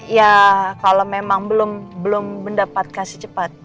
ya kalo memang belum mendapatkan secepatnya